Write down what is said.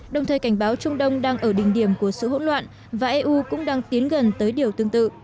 đồng thời cảnh báo trung đông đang ở đỉnh điểm của sự hỗn loạn và eu cũng đang tiến gần tới điều tương tự